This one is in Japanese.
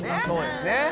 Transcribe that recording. そうですね。